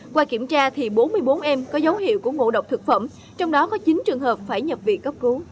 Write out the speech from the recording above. qua kiểm tra thì bốn mươi bốn em có dấu hiệu của ngộ độc thực phẩm trong đó có chín trường hợp phải nhập viện cấp cứu